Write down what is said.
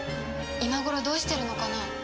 今頃どうしてるのかな？